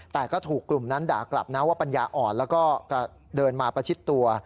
แต่ก็ถูกกลุ่มนั้นด่ากลับนะว่าปัญญาอ่อนแล้วก็เดินมาประชิดตัว